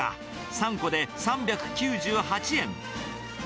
３個で３９８円。